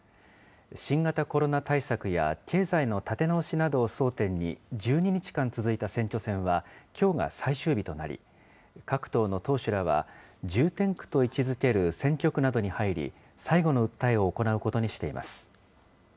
新型コロナ対策や、経済の立て直しなどを争点に１２日間続いた選挙戦は、きょうが最終日となり、各党の党首らは、重点区と位置づける選挙区などに入り、最後の訴えを行うことにしています。